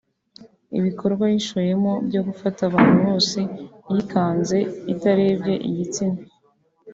Ibikorwa yishoyemo byo gufata abantu bose yikanze itarebye igitsina